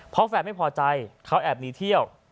เพราะแฟนไม่พอใจเขาแอบหนีเที่ยว